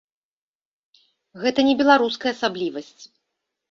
Гэта не беларуская асаблівасць.